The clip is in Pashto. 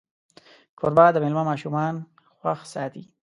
کوربه د میلمه ماشومان خوښ ساتي.